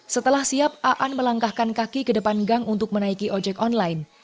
setelah siap aan melangkahkan kaki ke depan gang untuk menaiki ojek online